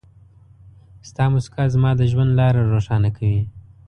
ستا مسکا زما د ژوند لاره روښانه کوي.